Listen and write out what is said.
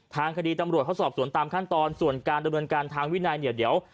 ทางคดีตำรวจเขาสอบสวนตามขั้นตอนส่วนการดำเนินการทางวินัยเนี่ยเดี๋ยว